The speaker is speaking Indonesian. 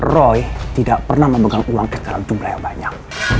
roy tidak pernah memegang uang ke dalam jumlah yang banyak